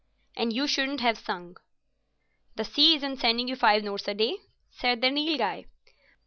"And you shouldn't have sung." "The sea isn't sending you five notes a day," said the Nilghai.